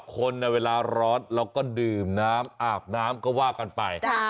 คนเวลาร้อนเราก็ดื่มน้ำอาบน้ำก็ว่ากันไป